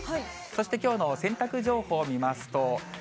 そしてきょうの洗濯情報を見ますと。